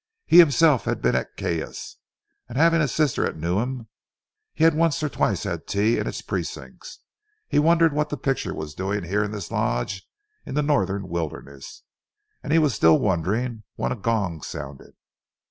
He himself had been at Caius, and having a sister at Newham, had once or twice had tea in its precincts. He wondered what the picture was doing here in this lodge in the northern wilderness, and he was still wondering when a gong sounded.